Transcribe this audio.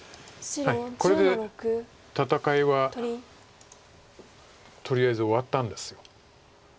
これで戦いはとりあえず終わったんです。